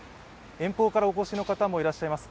遠方からお越しの方もいらっしゃいます。